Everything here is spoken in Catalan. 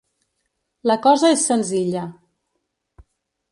La cosa és senzilla.